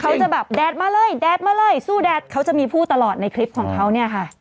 เขาจะแบบแดดมาเลยแดดมาเลยสู้แดดเขาจะมีผู้ตลอดในคลิปของเขาเนี่ยค่ะ